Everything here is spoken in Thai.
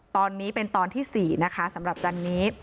ตอนนี้เป็นตอนที่๔นะคะสำหรับจันนี้